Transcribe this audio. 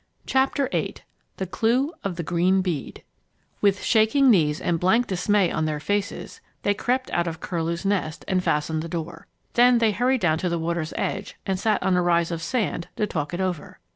CHAPTER VIII THE CLUE OF THE GREEN BEAD With shaking knees and blank dismay on their faces, they crept out of Curlew's Nest and fastened the door. Then they hurried down to the water's edge and sat on a rise of sand to talk it over.